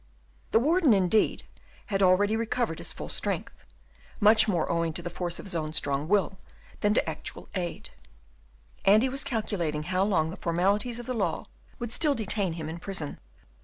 The warden, indeed, had already recovered his full strength, much more owing to the force of his own strong will than to actual aid; and he was calculating how long the formalities of the law would still detain him in prison.